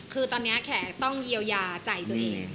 คือตอนนี้แขกต้องเยียวยาใจตัวเอง